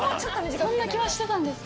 そんな気はしてたんです。